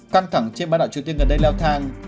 căng thẳng trên bán đảo triều tiên gần đây leo thang